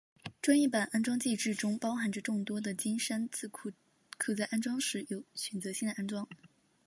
专业版安装介质中包含着众多的金山字库可在安装时有选择性的安装。